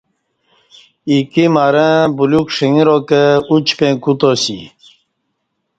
ایکی م رں بلیوک ݜنگراکہ ا چ پیں کوتاسی